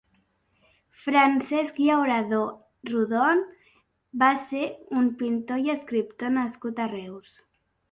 Francesc Llauradó Rodon va ser un pintor i escriptor nascut a Reus.